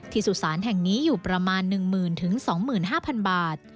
สุสานแห่งนี้อยู่ประมาณ๑๐๐๐๒๕๐๐บาท